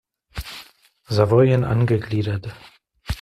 Savoyen angegliedert.